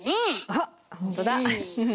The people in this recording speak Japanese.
あっ本当だ。